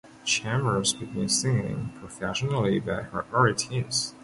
Chambers began singing professionally by her early teens.